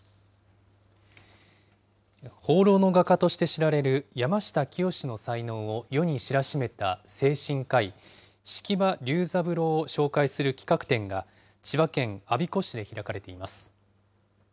放浪の画家として知られる山下清の才能を世に知らしめた精神科医、式場隆三郎を紹介する企画展が、千葉県我孫子市で開かれています。